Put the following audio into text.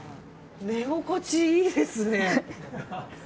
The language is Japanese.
寝心地いいですね。